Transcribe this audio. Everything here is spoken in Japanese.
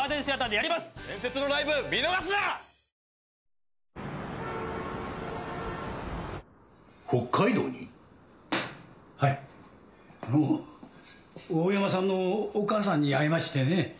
あの大山さんのお母さんに会いましてね。